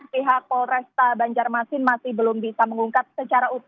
pihak polresta banjarmasin masih belum bisa mengungkap secara utuh